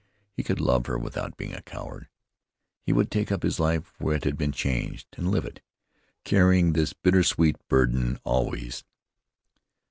He could love her without being a coward. He would take up his life where it had been changed, and live it, carrying this bitter sweet burden always.